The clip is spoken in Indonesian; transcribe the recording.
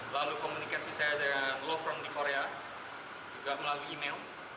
lalu komunikasi saya dengan law from korea melalui email